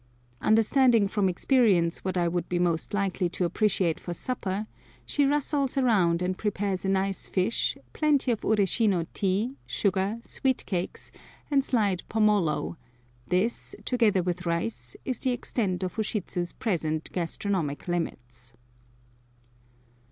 Understanding from experience what I would be most likely to appreciate for supper, she rustles around and prepares a nice fish, plenty of Ureshino tea, sugar, sweet cakes, and sliced pomolo; this, together with rice, is the extent of Ushidzu's present gastronomic limits.